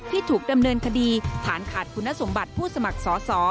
ที่ถูกดำเนินคดีฐานขาดคุณสมบัติผู้สมัครสอสอ